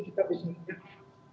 kita bisa mencari